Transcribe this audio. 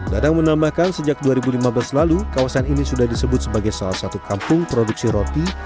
dadang menambahkan sejak dua ribu lima belas lalu kawasan ini sudah disebut sebagai salah satu kampung produksi roti